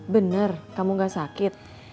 bener kamu nggak sakit